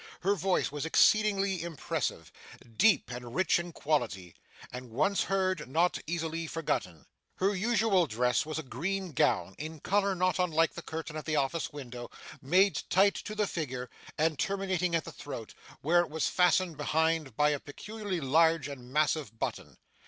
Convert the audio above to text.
Her voice was exceedingly impressive deep and rich in quality, and, once heard, not easily forgotten. Her usual dress was a green gown, in colour not unlike the curtain of the office window, made tight to the figure, and terminating at the throat, where it was fastened behind by a peculiarly large and massive button.